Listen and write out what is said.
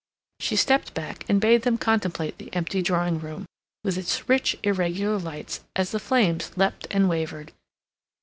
She stepped back and bade them contemplate the empty drawing room, with its rich, irregular lights, as the flames leapt and wavered.